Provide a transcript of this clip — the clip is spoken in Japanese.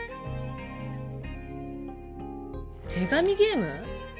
手紙ゲーム？